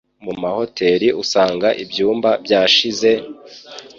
Mu mahoteri usanga ibyumba byashize,